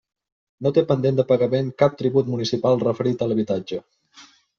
No té pendent de pagament cap tribut municipal referit a l'habitatge.